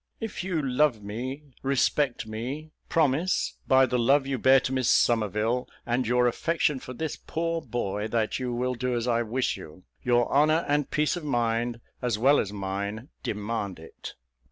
If you love me, respect me; promise, by the love you bear to Miss Somerville, and your affection for this poor boy, that you will do as I wish you. Your honour and peace of mind, as well as mine, demand it."